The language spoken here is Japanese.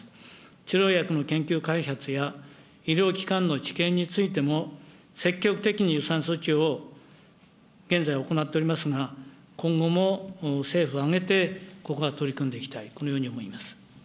治療薬の研究・開発や医療機関の治験についても、積極的に予算措置を現在、行っておりますが、今後も政府挙げてここは取り組んでいきたい、このように思います。